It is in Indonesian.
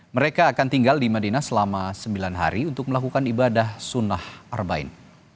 mereka akan tinggal di madinah selama sembilan hari untuk melakukan ibadah sunnah arbain